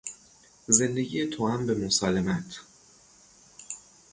زندگی توأم به مسالمت